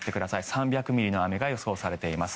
３００ミリの雨が予想されています。